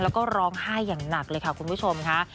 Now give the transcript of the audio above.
แล้วก็ร้องไห้อย่างหนักเลยค่ะคุณผู้ชมค่ะ